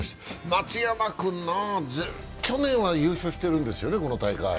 松山君なぁ、去年は優勝してるんだよね、この大会。